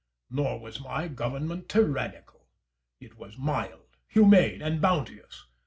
Nor was my government tyrannical. It was mild, humane, and bounteous.